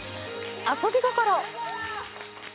遊び心。